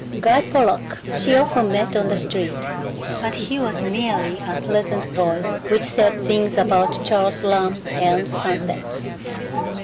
Guy Pollock she often met on the street, but he was merely a pleasant voice which said things about Charles Lamb and sunsets.